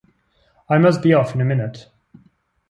I must be off in a minute.